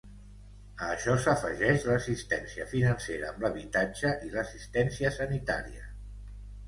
A això s'afegeix l'assistència financera amb l'habitatge i l'assistència sanitària.